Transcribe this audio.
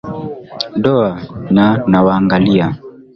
Doa na nawaangalia